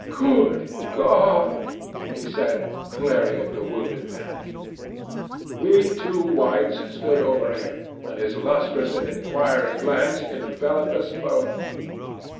'Good God!' he said, glaring at the wounded man. "We two whites stood over him, and his lustrous and inquiring glance enveloped us both.